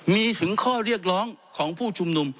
มีถึงข้อเรียกร้องของผู้ชุมนุม